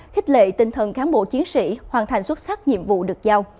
khích lệ tinh thần cán bộ chiến sĩ hoàn thành xuất sắc nhiệm vụ được giao